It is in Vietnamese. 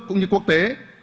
cũng như quốc tế